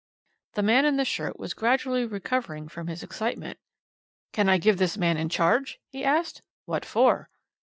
"The man in the shirt was gradually recovering from his excitement. "'Can I give this man in charge?' he asked. "'What for?'